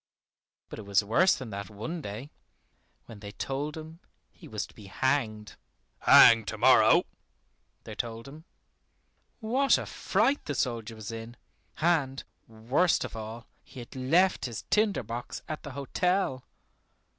But it was worse than that one day, when they told him he was to be hanged, "hanged to morrow," they told him. What a fright the soldier was in, and, worst of all, he had left his tinder box at the hotel.